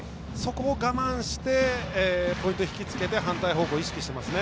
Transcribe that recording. そこを我慢してポイントを引き付けて反対方向を意識しますね。